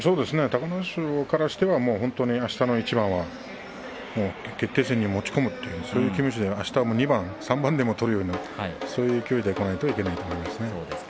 隆の勝からしてはあすの一番は決定戦に持ち込むという気持ちであすは２番３番でも取るような勢いでいかないといけないと思います。